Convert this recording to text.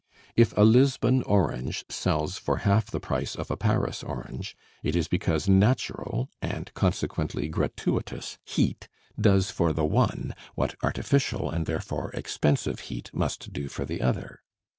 If a Lisbon orange sells for half the price of a Paris orange, it is because natural and consequently gratuitous heat does for the one what artificial and therefore expensive heat must do for the other.